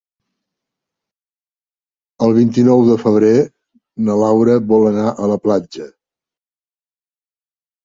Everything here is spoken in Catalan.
El vint-i-nou de febrer na Laura vol anar a la platja.